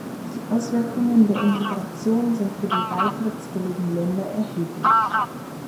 Die Auswirkungen der Integration sind für die beitrittswilligen Länder erheblich.